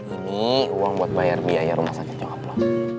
ini uang buat bayar biaya rumah sakit nyokap lo